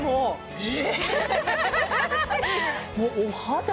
え！